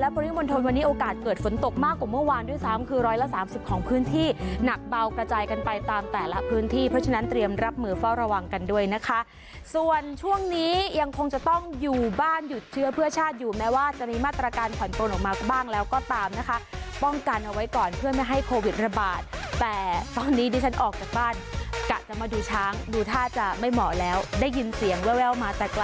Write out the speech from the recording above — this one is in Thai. แล้วกระจายกันไปตามแต่ละพื้นที่เพราะฉะนั้นเตรียมรับมือเฝ้าระวังกันด้วยนะคะส่วนช่วงนี้ยังคงจะต้องอยู่บ้านหยุดเชื้อเพื่อชาติอยู่แม้ว่าจะมีมาตรการข่อนโตนออกมาบ้างแล้วก็ตามนะคะป้องกันเอาไว้ก่อนเพื่อไม่ให้โควิดระบาดแต่ตอนนี้ดิฉันออกจากบ้านกะจะมาดูช้างดูถ้าจะไม่เหมาะแล้วได้ยินเสียงแววมาแต่ไ